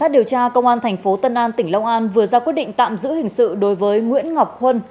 điều tra công an thành phố tân an tỉnh long an vừa ra quyết định tạm giữ hình sự đối với nguyễn ngọc huân